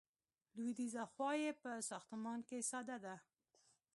لویدیځه خوا یې په ساختمان کې ساده ده.